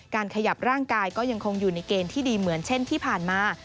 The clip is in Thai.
ขยับร่างกายก็ยังคงอยู่ในเกณฑ์ที่ดีเหมือนเช่นที่ผ่านมา